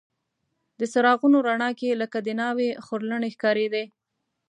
د څراغونو رڼا کې لکه د ناوې خورلڼې ښکارېدې.